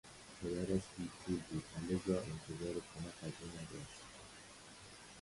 پدرش بیپول بود و لذا انتظار کمک از او نداشت.